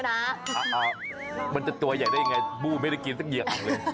นะอ่ามันจะตัวใหญ่ด้วยไงอุ้ยโอ้ไม่ได้กินหลีกหนึ่งเลย